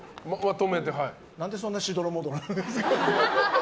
何でそんなしどろもどろなんですか。